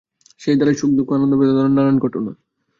সেই ধারায় সুখ-দুঃখ আনন্দ-বেদনার নানান ঘটনা।